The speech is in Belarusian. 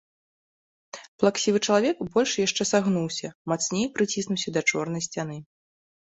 Плаксівы чалавек больш яшчэ сагнуўся, мацней прыціснуўся да чорнай сцяны.